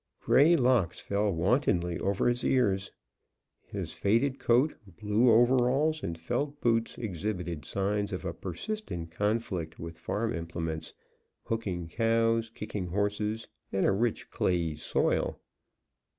Gray locks fell wantonly over his ears. His faded coat, blue overalls and felt boots exhibited signs of a persistent conflict with farm implements, hooking cows, kicking horses, and a rich clayey soil.